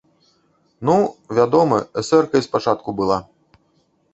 Ну, вядома, эсэркай спачатку была.